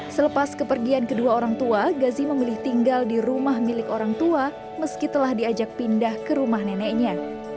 selepas kepergian kedua orang tua gazi memilih tinggal di rumah milik orang tua meski telah diajak pindah ke rumah neneknya